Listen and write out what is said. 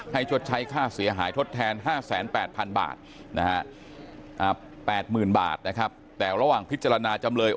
ชดใช้ค่าเสียหายทดแทน๕๘๐๐๐บาทนะฮะแต่ระหว่างพิจารณาจำเลย